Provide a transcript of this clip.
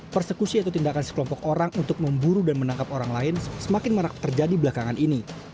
persekusi atau tindakan sekelompok orang untuk memburu dan menangkap orang lain semakin marak terjadi belakangan ini